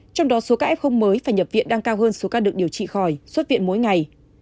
trong đó số ca f mới phải nhập viện đang cao hơn số ca được điều trị khỏi xuất viện mỗi ngày